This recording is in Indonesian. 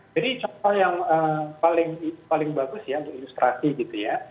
jadi contoh yang paling bagus ya untuk ilustrasi gitu ya